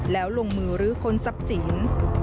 แล้วลงมือรื้อคนซับสิน